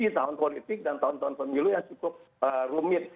di tahun politik dan tahun tahun pemilu yang cukup rumit